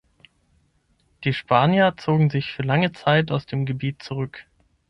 Die Spanier zogen sich für lange Zeit aus dem Gebiet zurück.